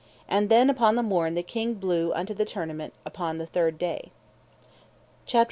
And then upon the morn the king blew unto the tournament upon the third day. CHAPTER XXXII.